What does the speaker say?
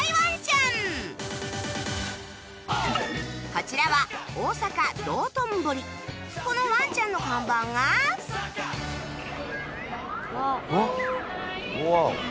こちらはこのワンちゃんの看板がわあ。